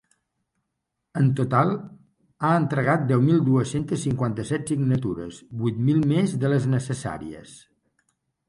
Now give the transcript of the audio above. En total, ha entregat deu mil dues-centes cinquanta-set signatures, vuit mil més de les necessàries.